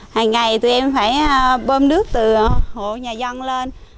hàng ngày tụi em phải bơm nước từ hộ nhà dân lên